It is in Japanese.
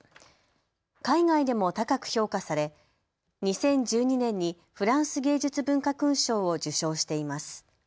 海外でも高く評価され２０１２年にフランス芸術文化勲章を受章しています。